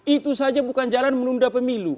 itu saja bukan jalan menunda pemilu